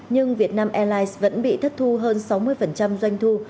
nhưng việt nam airlines vẫn bị thất thu hơn sáu mươi doanh thu